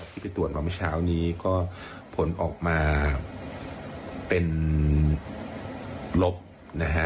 ที่ไปตรวจมาเมื่อเช้านี้ก็ผลออกมาเป็นลบนะฮะ